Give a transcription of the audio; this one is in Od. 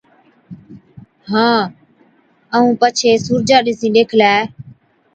هان، ائُون پڇي سُورجا ڏِسِين ڏيکلَي،